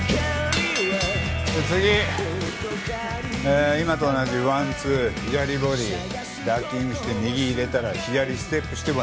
次今と同じワンツー左ボディーダッキングして右入れたら左ステップしてワンツー。